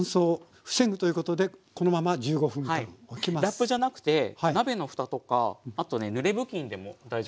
ラップじゃなくて鍋の蓋とかあとねぬれ布巾でも大丈夫です。